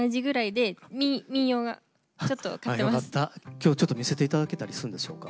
今日ちょっと見せて頂けたりするんでしょうか。